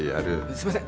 すみません